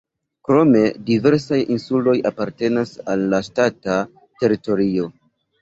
Krome diversaj insuloj apartenas al la ŝtata teritorio.